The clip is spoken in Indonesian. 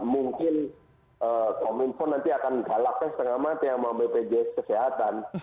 mungkin kominfo nanti akan galakkan setengah mati sama bpjs kesehatan